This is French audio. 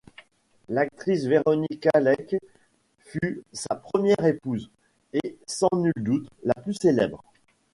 L'actrice Veronica Lake fut sa première épouse, et sans nul doute, la plus célèbre.